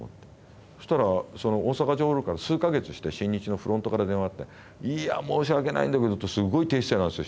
そしたらその大阪城ホールから数か月して新日のフロントから電話があって「いや申し訳ないんだけど」ってすごい低姿勢なんですよ